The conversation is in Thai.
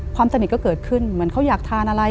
ความสนิทก็เกิดขึ้นเหมือนเขาอยากทานอะไร